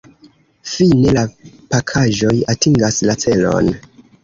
Fine la pakaĵoj atingas la celon.